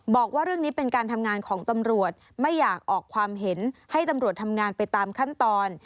บอกว่าเรื่องนี้เป็นการทำงานของตำรวจไม่อยากออกความเห็นให้ตำรวจทำงานไปตามขั้นตอน